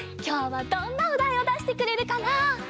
きょうはどんなおだいをだしてくれるかな？